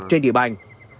trên địa bàn